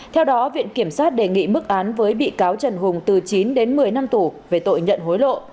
theo đó viện kiểm sát đề nghị mức án với bị cáo trần hùng từ chín đến một mươi năm tù về tội nhận hối lộ